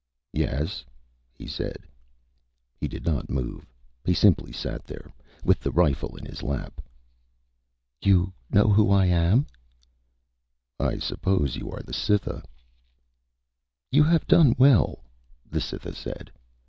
"Yes," he said. He did not move. He simply sat there, with the rifle in his lap. "You know who I am?" "I suppose you are the Cytha." "You have done well," the Cytha said.